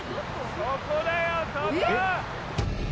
そこだよそこ！